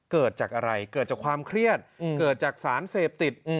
เกิดจากอะไรเกิดจากความเครียดเกิดจากสารเสพติด